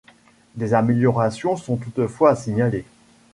Des améliorations sont toutefois à signaler.